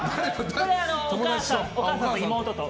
これは、お母さんと妹と。